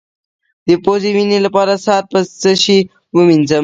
د پوزې وینې لپاره سر په څه شي ووینځم؟